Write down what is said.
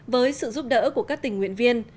với sự giúp đỡ của các tình nguyện viên